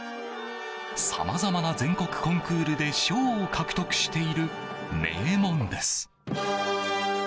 さまざまな全国コンクールで賞を獲得している名門です。